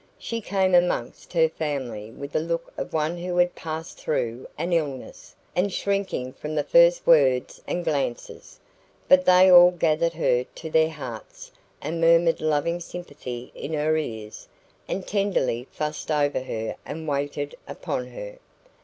She came amongst her family with the look of one who had passed through an illness, and shrinking from the first words and glances. But they all gathered her to their hearts, and murmured loving sympathy in her ears, and tenderly fussed over her and waited upon her.